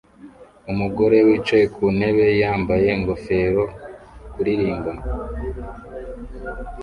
Umugore wicaye ku ntebe yambaye ingofero kuririmba